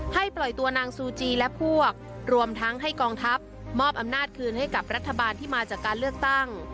ปล่อยตัวนางซูจีและพวกรวมทั้งให้กองทัพมอบอำนาจคืนให้กับรัฐบาลที่มาจากการเลือกตั้ง